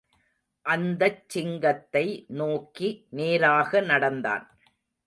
அந்தச் சிங்கத்தை நோக்கி நேராக நடந்தான்.